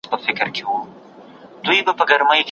هر یو هډ یې له دردونو په ضرور سو